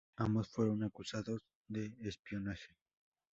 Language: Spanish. Ambos fueron acusados de espionaje.